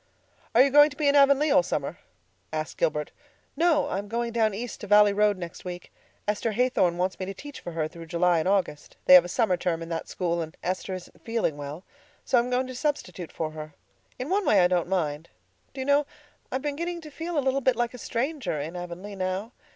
"Are you going to be in Avonlea all summer?" asked Gilbert. "No. I'm going down east to Valley Road next week. Esther Haythorne wants me to teach for her through July and August. They have a summer term in that school, and Esther isn't feeling well. So I'm going to substitute for her. In one way I don't mind. Do you know, I'm beginning to feel a little bit like a stranger in Avonlea now?